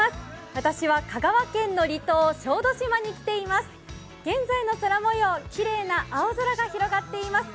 私は香川県の離島、小豆島に来ています。